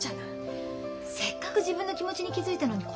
せっかく自分の気持ちに気付いたのにこのままでいいの？